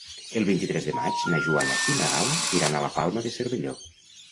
El vint-i-tres de maig na Joana i na Gal·la iran a la Palma de Cervelló.